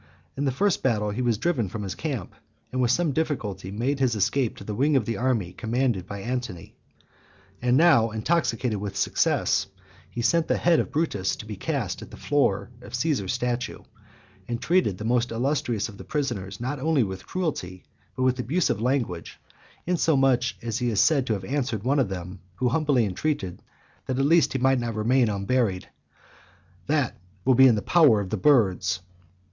In the first battle he was driven from his camp, (78) and with some difficulty made his escape to the wing of the army commanded by Antony. And now, intoxicated with success, he sent the head of Brutus to be cast at the foot of Caesar's statue, and treated the most illustrious of the prisoners not only with cruelty, but with abusive language; insomuch that he is said to have answered one of them who humbly intreated that at least he might not remain unburied, "That will be in the power of the birds."